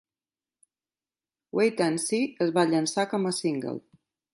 "Wait and See" es va llançar com a single.